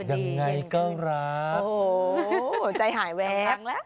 ยังไงก็รักโอ้โหใจหายแวบแล้ว